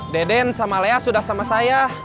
deden sama leah sudah sama saya